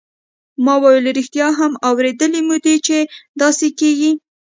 ما وویل ریښتیا هم اوریدلي مې دي چې داسې کیږي.